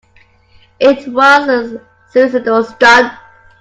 It was a suicidal stunt.